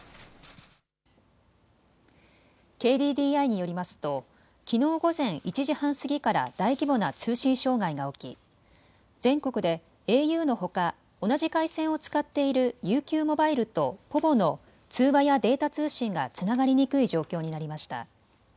ＫＤＤＩによりますときのう午前１時半過ぎから大規模な通信障害が起き全国でａｕのほか同じ回線を使っているＵＱモバイルとｐｏｖｏの通話やデータ通信がつながりにくい状況になりました。